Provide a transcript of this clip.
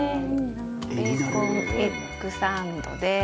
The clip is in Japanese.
ベーコンエッグサンドです。